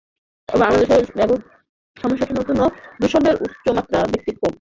তবে বাংলাদেশে সমস্যাটি নতুন এবং দূষণের উচ্চমাত্রাও ব্যতিক্রম।